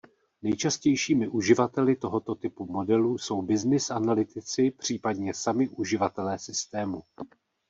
Nejčastějšími uživateli tohoto typu modelů jsou „business“ analytici případně sami uživatelé systému.